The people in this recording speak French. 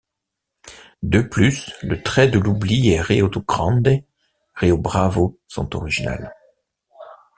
De plus, Le trait de l’oubli et Rio Grande, Rio Bravo sont originales.